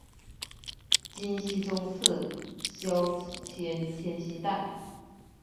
金熙宗赐萧肄通天犀带。